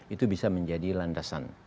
itu bisa menjadi landasan